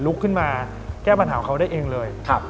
ลุกขึ้นมาแก้ปัญหาของเขาได้เองเลย